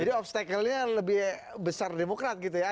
jadi obstaclenya lebih besar demokrat gitu ya